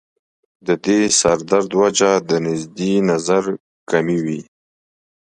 د دې سر درد وجه د نزدې نظر کمی وي